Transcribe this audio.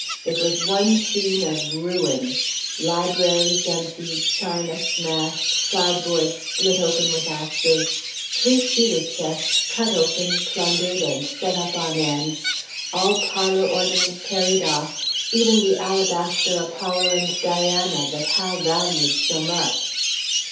It was one scene of ruin. Libraries emptied, china smashed, sideboards split open with axes, three cedar chests cut open, plundered, and set up on end; all parlor ornaments carried off even the alabaster Apollo and Diana that Hal valued so much.